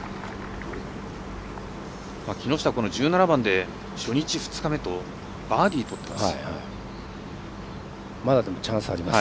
木下、１７番で初日、２日目とバーディーとってます。